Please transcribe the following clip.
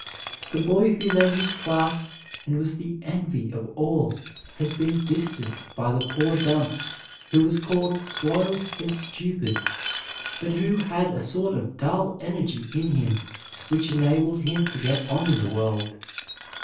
The boy who led his class and was the envy of all has been distanced by the poor dunce who was called slow and stupid, but who had a sort of dull energy in him which enabled him to get on in the world.